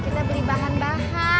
tidak ada yang ngerti